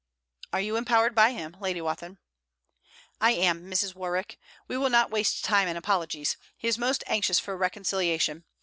'Are you empowered by him, Lady Wathin?' 'I am, Mrs. Warwick. We will not waste time in apologies. He is most anxious for a reconciliation.